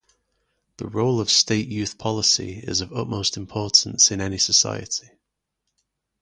The role of state youth policy is of utmost importance in any society.